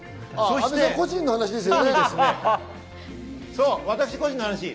個人の話ですよね。